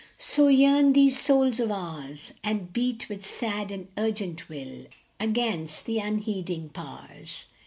So yearn these souls of ours, And beat with sad and urgent will Against the unheeding powers.